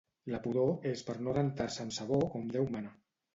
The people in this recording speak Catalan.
La pudor és per no rentar-se amb sabó com deu mana